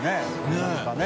何かね。